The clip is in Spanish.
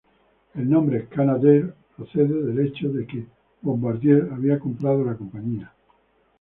El nombre "Canadair" procede del hecho de que Bombardier había comprado la compañía.